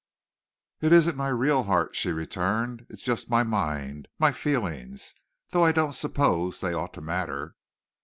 "It isn't my real heart," she returned, "it's just my mind, my feelings; though I don't suppose they ought to matter."